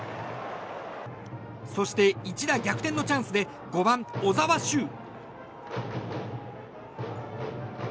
そして、一打逆転のチャンスで５番、小澤修。